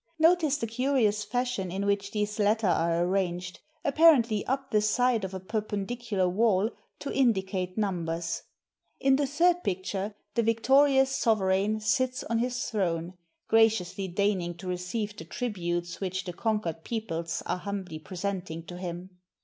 Notice the curious fashion in which these latter are arranged, appa rently up the side of a perpendicular wall, to indicate num bers. In the third picture, the victorious sovereign sits on his throne, graciously deigning to receive the tributes which the conquered peoples are humbly presenting to him.